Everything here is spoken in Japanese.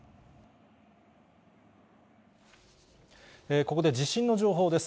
ここで地震の情報です。